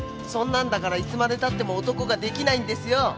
そんなんだからいつまでたっても男ができないんですよ！